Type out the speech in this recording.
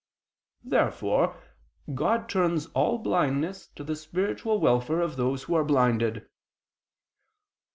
Therefore God turns all blindness to the spiritual welfare of those who are blinded.